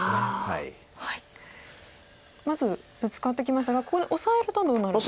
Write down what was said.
まずブツカってきましたがここでオサえるとどうなるんですか？